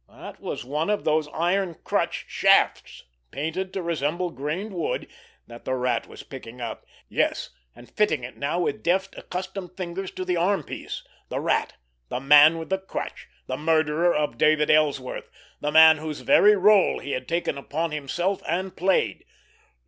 That was one of those iron crutch shafts, painted to resemble grained wood, that the Rat was picking up—yes, and fitting it now with deft, accustomed fingers to the armpiece! The Rat—the Man with the Crutch—the murderer of David Ellsworth—the man whose very rôle he had taken upon himself and played!